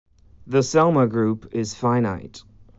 The Selmer group is finite.